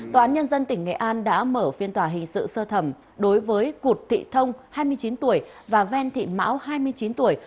tòa án nhân dân tỉnh nghệ an đã mở phiên tòa hình sự sơ thẩm đối với cụt thị thông hai mươi chín tuổi và ven thị mão hai mươi chín tuổi